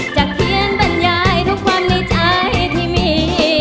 จะเขียนบรรยายทุกวันในใจที่มี